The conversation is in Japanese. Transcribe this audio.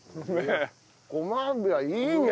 ごま油いいね！